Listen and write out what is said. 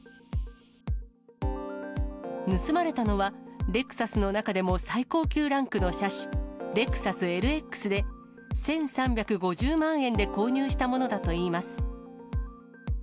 盗まれたのはレクサスの中でも最高級ランクの車種、レクサスＬＸで、１３５０万円で購入したものだといいます。